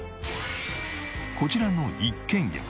こちらの一軒家。